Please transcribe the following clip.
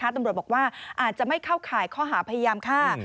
ตำรวจบอกว่าอาจจะไม่เข้าข่ายข้อหาพยายามฆ่า